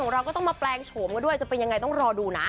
เราก็ต้องมาแปลงโฉมกันด้วยจะเป็นยังไงต้องรอดูนะ